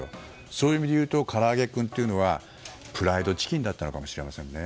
そういう意味で言うとからあげクンというのはプライドチキンだったのかもしれないですね。